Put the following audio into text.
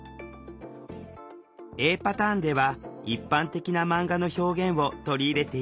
Ａパターンでは一般的なマンガの表現を取り入れているわ。